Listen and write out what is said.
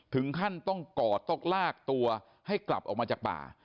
ถึงขั้นต้องกอดต้องลากตัวให้กลับออกมาจากป่า